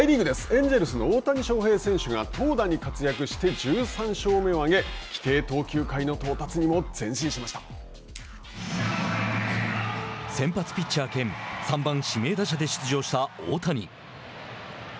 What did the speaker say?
エンジェルスの大谷翔平選手が投打に活躍して１３勝目を挙げ規定投球回の到達にも先発ピッチャー兼３番、指名打者で出場した大谷。